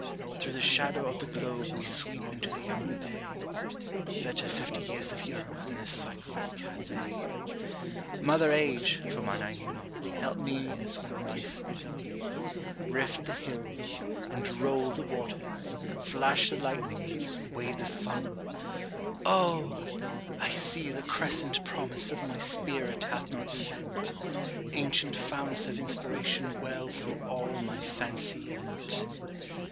Through the shadow of the globe we sweep into the younger day: Better fifty years of Europe than a cycle of Cathay. Mother age, (for mine I knew not,) help me as when life begun, Rift the hills and roll the waters, flash the lightnings, weigh the sun, O, I see the crescent promise of my spirit hath not set; Ancient founts of inspiration well through all my fancy yet.